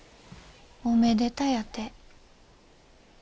おめでたやて。